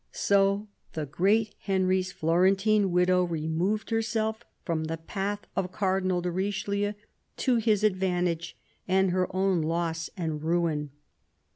So the great Henry's Florentine widow removed herself rom the path of Cardinal de Richelieu ; to his advantage .nd her own loss and ruin.